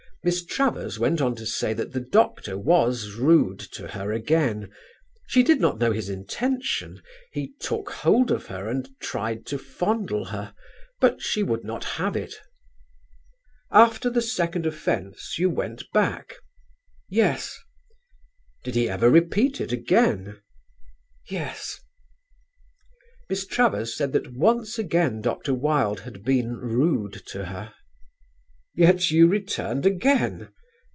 Miss Travers went on to say that the Doctor was rude to her again; she did not know his intention; he took hold of her and tried to fondle her; but she would not have it. "After the second offence you went back?" "Yes." "Did he ever repeat it again?" "Yes." Miss Travers said that once again Dr. Wilde had been rude to her. "Yet you returned again?"